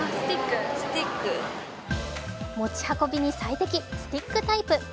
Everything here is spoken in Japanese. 持ち運びに最適、スティックタイプ。